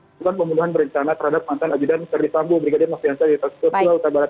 itu kan pembunuhan berencana terhadap mantan ajudan ferdi sambo brigadir mas riansal di taksimut ustadz barat